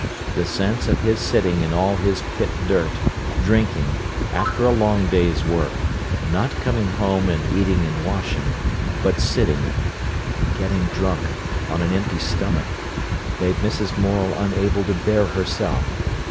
The sense of his sitting in all his pit dirt, drinking, after a long day's work, not coming home and eating and washing, but sitting, getting drunk, on an empty stomach, made Mrs. Morel unable to bear herself.